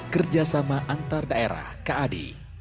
kerjasama antar daerah kad